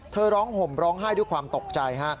ร้องห่มร้องไห้ด้วยความตกใจฮะ